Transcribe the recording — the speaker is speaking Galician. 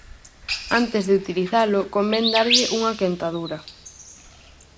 Antes de utilizalo, convén darlle unha quentadura.